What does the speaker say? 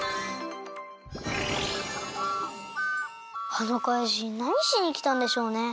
あのかいじんなにしにきたんでしょうね？